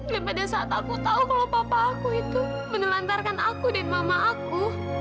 dan pada saat aku tahu kalau papa aku itu menelantarkan aku dan mama aku